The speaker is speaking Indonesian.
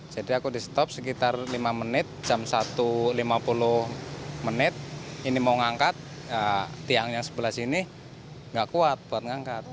jadi aku di stop sekitar lima menit jam satu lima puluh menit ini mau ngangkat tiang yang sebelah sini gak kuat buat ngangkat